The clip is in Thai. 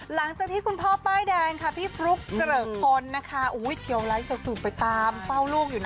หลังจากที่คุณพ่อป้ายแดงค่ะพี่ฟลุ๊กเจริญคนนะคะอุ้ยเกี่ยวแล้วเกี่ยวไปตามเป้าลูกอยู่นะ